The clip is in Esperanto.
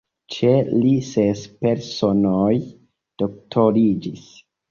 Ĉe li ses personoj doktoriĝis.